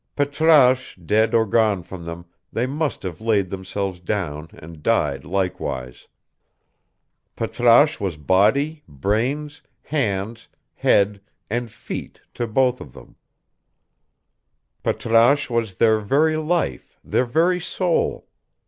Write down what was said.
Patrasche dead or gone from them, they must have laid themselves down and died likewise. Patrasche was body, brains, hands, head, and feet to both of them: Patrasche was their very life, their very soul.